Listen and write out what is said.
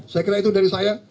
saya kira itu dari saya